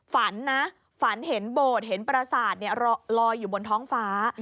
ฝันนะฝันเห็นโบสถ์เห็นประสาทลอยอยู่บนท้องฟ้า